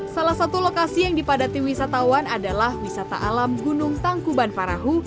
salah satu lokasi yang dipadati wisatawan adalah wisata alam gunung tangkuban parahu